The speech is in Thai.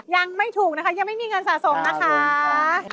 ยังไม่ถูกนะคะยังไม่มีเงินสะสมนะคะ